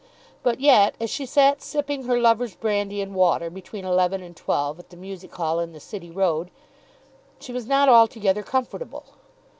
But yet as she sat sipping her lover's brandy and water between eleven and twelve at the music hall in the City Road, she was not altogether comfortable.